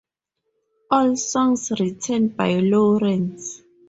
All songs written by Lawrence.